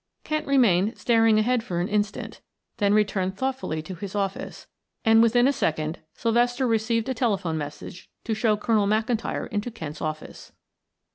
Kent remained staring ahead for an instant then returned thoughtfully to his office, and within a second Sylvester received a telephone message to show Colonel McIntyre into Kent's office.